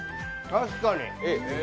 確かに。